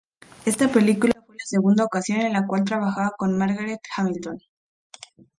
Esta película fue la segunda ocasión en la cual trabajaba con Margaret Hamilton.